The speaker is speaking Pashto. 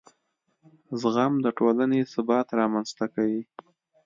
زغم د ټولنې ثبات رامنځته کوي.